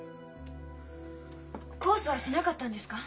控訴はしなかったんですか？